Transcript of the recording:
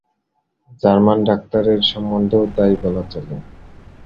German ডাক্তারের সম্বন্ধেও তাই বলা চলে।